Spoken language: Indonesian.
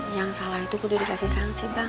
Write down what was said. yang salah itu kudu dikasih sanksi bang